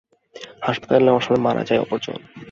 হাসপাতালে নেওয়ার সময় মারা যায় অপরজন।